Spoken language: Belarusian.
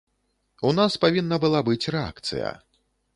У нас павінна была быць рэакцыя.